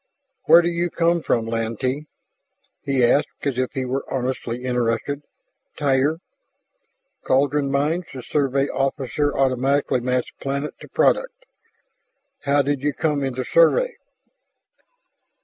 "Where do you come from, Lantee?" He asked as if he were honestly interested. "Tyr." "Caldon mines." The Survey officer automatically matched planet to product. "How did you come into Survey?"